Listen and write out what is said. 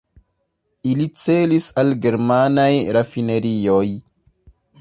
Ili celis al germanaj rafinerioj.